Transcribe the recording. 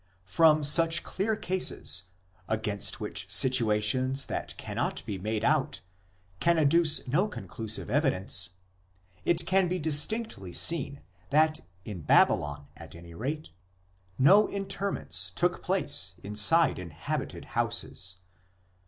From such clear cases, against which situations that cannot be made out can adduce no conclusive evidence, it can be distinctly seen that in Babylon, at any rate, no interments took place inside inhabited houses."